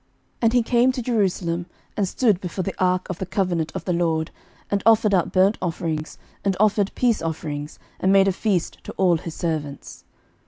And he came to Jerusalem, and stood before the ark of the covenant of the LORD, and offered up burnt offerings, and offered peace offerings, and made a feast to all his servants.